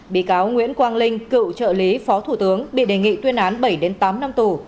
bị cáo nguyễn quang linh cựu trợ lý phó thủ tướng bị đề nghị tuyên án bảy tám năm tù